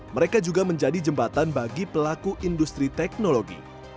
mereka juga menjadi jembatan bagi pelaku industri teknologi